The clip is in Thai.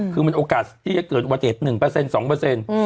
คือมันโอกาสที่จะเกิดว่าเด็ก๑เปอร์เซ็นต์๒เปอร์เซ็นต์